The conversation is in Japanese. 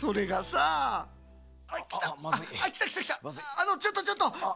あのちょっとちょっと！